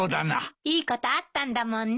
いいことあったんだもんね。